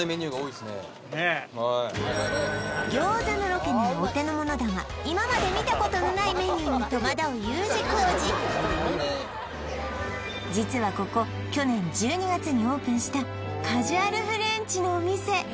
餃子のロケならお手の物だが今まで見たことのないメニューに戸惑うＵ字工事実はここ去年１２月にオープンしたカジュアルフレンチのお店